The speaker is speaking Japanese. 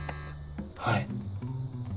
はい。